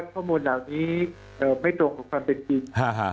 ข้อมูลเหล่านี้ไม่ตรงกับความเป็นจริง